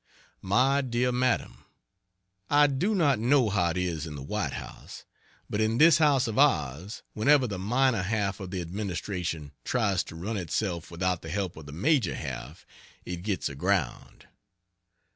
MY DEAR MADAM, I do not know how it is in the White House, but in this house of ours whenever the minor half of the administration tries to run itself without the help of the major half it gets aground.